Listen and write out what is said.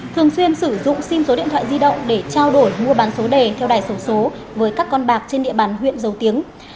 thường xuyên sử dụng sim số điện thoại di động để trao đổi mua bán số đề theo đài sổ số với các con bạc trên địa bàn huyện dầu tiếng